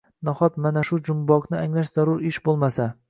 Nahot mana shu jumboqni anglash zarur ish bo‘lmasa?